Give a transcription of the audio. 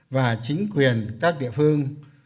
và chính quyền các địa phương